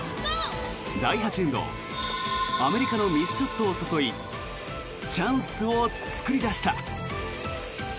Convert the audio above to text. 第８エンドアメリカのミスショットを誘いチャンスを作り出した。